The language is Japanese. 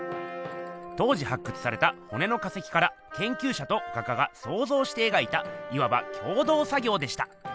当時発掘されたほねの化石からけんきゅうしゃと画家がそうぞうして描いたいわば共同作業でした。